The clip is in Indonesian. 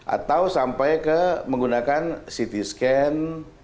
atau sampai ke menggunakan ct scan